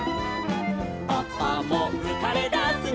「パパもうかれだすの」